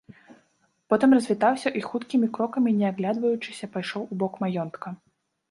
Потым развітаўся і хуткімі крокамі, не аглядваючыся, пайшоў у бок маёнтка.